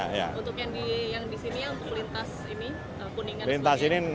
untuk yang di sini yang lintas ini kuningan